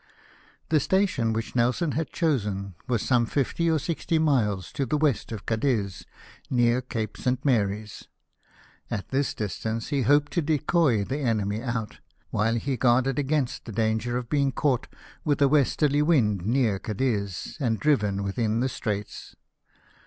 The station which Nelson had chosen was some fifty or sixty miles to the west of Cadiz, near Cape St. Mary's. At this distance he hoped to decoy the BEFORE THE BATTLE. 301 enemy out, while he guarded against the danger of bemg caught with a westerly wind near Cadiz, and driven within the Straits.